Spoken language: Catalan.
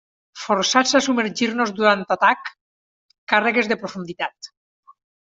Forçats a submergir-nos durant atac, càrregues de profunditat.